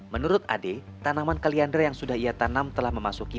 menurut ade tanaman kaliandra yang sudah ia tanam telah memasuki